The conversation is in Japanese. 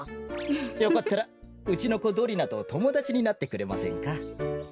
よかったらうちのこドリナとともだちになってくれませんか？